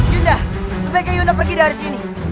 yunda sebaiknya yunda pergi dari sini